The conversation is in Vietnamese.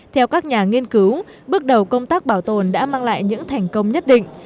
theo các nhà nghiên cứu bước đầu công tác bảo tồn đã mang lại những thành công nhất định